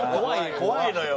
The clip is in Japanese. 怖いのよ。